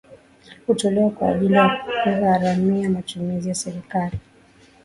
hutolewa kwa ajili ya kugharamia matumizi ya serikali